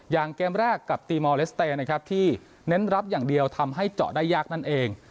เกมแรกกับตีมอลเลสเตย์นะครับที่เน้นรับอย่างเดียวทำให้เจาะได้ยากนั่นเอง